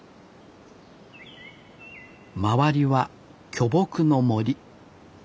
周りは巨木の森。